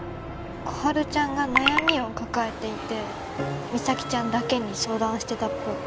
心春ちゃんが悩みを抱えていて実咲ちゃんだけに相談してたっぽい